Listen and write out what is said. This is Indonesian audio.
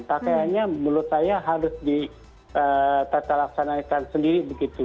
pakaiannya menurut saya harus ditata laksanakan sendiri begitu